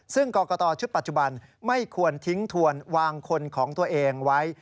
ซึ่งกรกตชุดปัจจุบันไม่ควรทิ้งทวนวางคนของตัวเองไว้